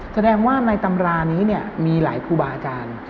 แสดงว่าในตำรานี้มีหลายครูบาอาจารย์